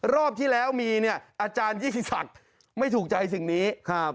รอบที่แล้วมีเนี่ยอาจารยิ่งศักดิ์ไม่ถูกใจสิ่งนี้ครับ